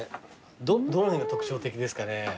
どの辺が特徴的ですかね。